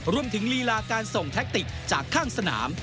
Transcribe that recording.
ลีลาการส่งแท็กติกจากข้างสนาม